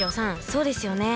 そうですよね。